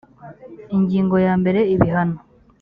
ingingo ya mbere ibihano